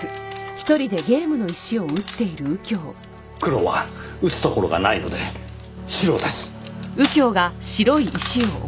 黒は打つところがないので白です。